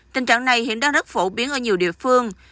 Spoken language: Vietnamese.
tình trạng này hiện đang rất phổ biến ở nhiều địa phương